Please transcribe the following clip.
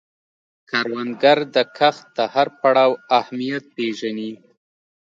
کروندګر د کښت د هر پړاو اهمیت پېژني